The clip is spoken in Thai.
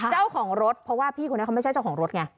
เจ้าของรถเพราะว่าพี่คนนี้เขาไม่ใช่เจ้าของรถไง